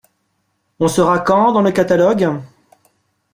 On sera quand dans le catalogue?